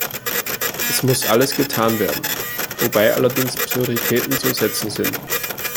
Es muss alles getan werden, wobei allerdings Prioritäten zu setzen sind.